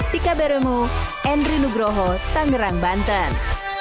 di kabaremu endri nugroho tangerang banten